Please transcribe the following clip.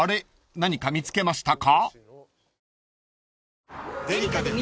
何か見つけましたか？］